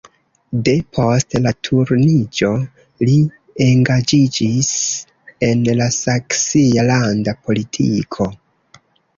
De post la Turniĝo li engaĝiĝis en la saksia landa politiko.